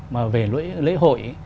mà về lễ hội